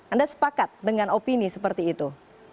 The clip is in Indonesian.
anda sepakat dengan opini seperti itu